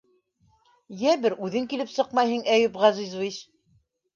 Йә бер үҙең килеп сыҡмайһың, Әйүп Ғәзизович.